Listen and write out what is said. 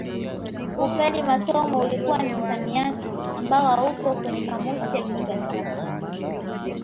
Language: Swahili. Kufeli masomo ulikuwa ni msamiati ambao haupo kwenye kamusi ya kichwa chake